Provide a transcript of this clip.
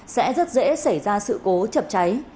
sẽ rất dễ xảy ra sự cố chập cháy